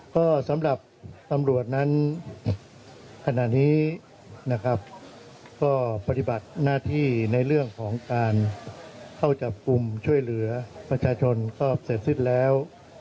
ก็สำหรับตำรวจนั้นขณะนี้นะครับก็ปฏิบัติหน้าที่ในเรื่องของการเข้าจับกลุ่มช่วยเหลือประชาชนก็เสร็จสิ้นแล้ว